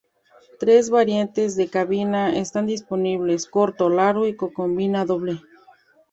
Tres Variantes De Cabina están disponibles: corto, largo y con cabina doble.